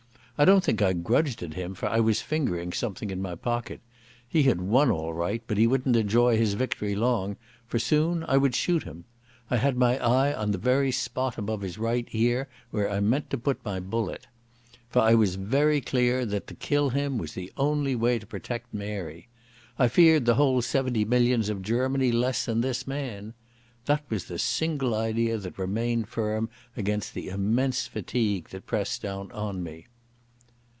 I don't think I grudged it him, for I was fingering something in my pocket. He had won all right, but he wouldn't enjoy his victory long, for soon I would shoot him. I had my eye on the very spot above his right ear where I meant to put my bullet.... For I was very clear that to kill him was the only way to protect Mary. I feared the whole seventy millions of Germany less than this man. That was the single idea that remained firm against the immense fatigue that pressed down on me.